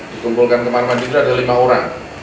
dikumpulkan kemarin marin ini ada lima orang